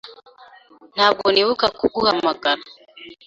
Ntabwo nibuka kuguhamagara.